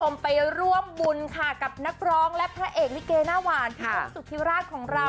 นี่ผมไปร่วมบุญค่ะกับนักรองและมิตรพระเอกลิเกย์น่าวานที่เป็นสุขิวราชของเรา